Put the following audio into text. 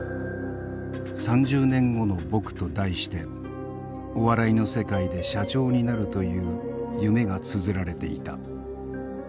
「三十年後のぼく」と題してお笑いの世界で社長になるという夢がつづられていた。